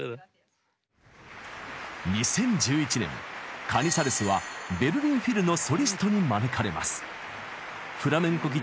２０１１年カニサレスはベルリン・フィルのソリストに招かれます。